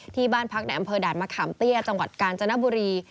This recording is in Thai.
ที่บ้านพักในอำเภอด่านมะขามเตี้ยจังหวัดกาญจนบุรี